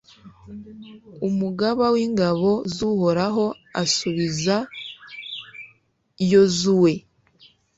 umugaba w'ingabo z'uhoraho asubiza yozuwe